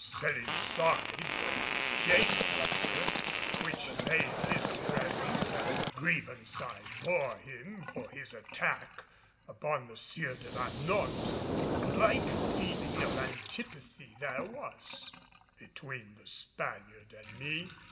Setting aside the danger which lay in his presence and the grievance I bore him for his attack upon the Sieur de la Notte, a like feeling of antipathy there was between the Spaniard and me.